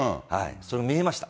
それが見えました。